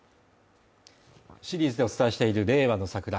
シリーズでお伝えしている「令和のサクラ」